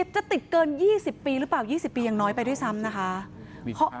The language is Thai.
จะติดเกิน๒๐ปีหรือเปล่า๒๐ปียังน้อยไปด้วยซ้ำนะคะ